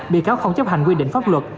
bị cáo không chấp hành quy định pháp luật